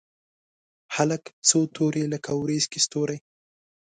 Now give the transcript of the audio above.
هلک څو توري لکه ورځ کې ستوري